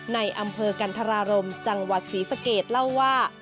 ในอำเภอกันธรารมจังหวัดศรีสะเกดเล่าว่า